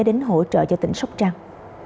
đến hỗ trợ cho tỉnh sóc trăng